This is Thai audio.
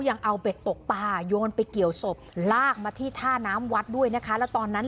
แล้วเอาเบ็ดอันไหนที่ไปเกี่ยวศพอ่ะไหนไอ้ที่มันอีกไหมขนุนหลัง